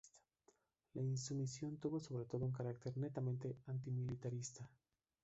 La insumisión tuvo sobre todo un carácter netamente antimilitarista.